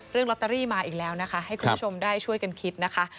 ลอตเตอรี่มาอีกแล้วนะคะให้คุณผู้ชมได้ช่วยกันคิดนะคะ